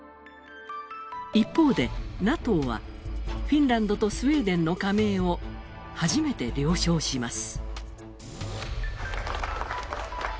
一方でＮＡＴＯは、フィンランドとスウェーデンの加盟を初めて了承します。